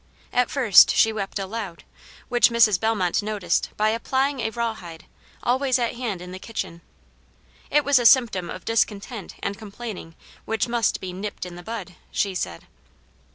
At first she wept aloud, which Mrs. Bellmont noticed by applying a raw hide, always at hand in the kitchen. It was a symptom of discontent and complaining which must be "nipped in the bud," she said.